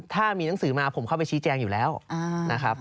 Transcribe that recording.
ถ้ามีหนังสือมาผมเข้าไปชี้แจงอยู่แล้วนะครับ